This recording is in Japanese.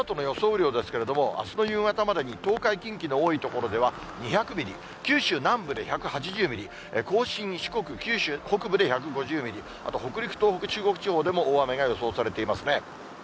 雨量ですけれども、あすの夕方までに東海、近畿の多い所では２００ミリ、九州南部で１８０ミリ、甲信、四国、九州北部で１５０ミリ、あと北陸、東北、中国地方でも大雨が予想されていますね。